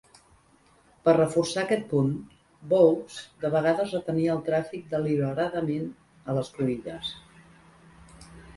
Per reforçar aquest punt, Boaks de vegades retenia el tràfic deliberadament a les cruïlles.